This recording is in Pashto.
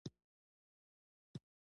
تر سره کړو باید.